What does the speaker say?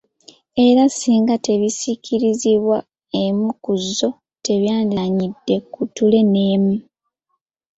Era singa tebisikirizbwa emu ku zzo, tebyandizannyidde ku ttule n’emu.